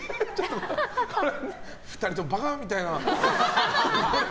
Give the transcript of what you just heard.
２人ともバカみたいな。